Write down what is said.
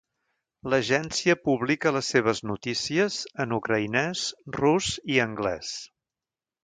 L'agència publica les seves notícies en ucraïnès, rus i anglès.